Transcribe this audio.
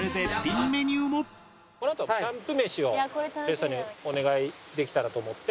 このあとキャンプ飯を有吉さんにお願いできたらと思って。